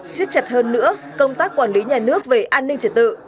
xiết chặt hơn nữa công tác quản lý nhà nước về an ninh trật tự